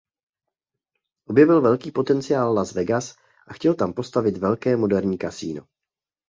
Objevil velký potenciál Las Vegas a chtěl tam postavit velké moderní kasino.